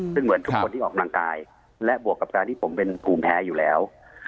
ซึ่งเหมือนทุกคนที่ออกกำลังกายและบวกกับการที่ผมเป็นภูมิแพ้อยู่แล้ว